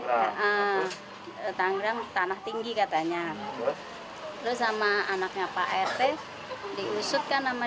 ada di daerah tangerang tangerang tanah tinggi katanya terus sama anaknya pak rt diusutkan nama